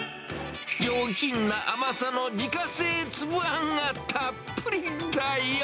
上品な甘さの自家製粒あんがたっぷりだよ。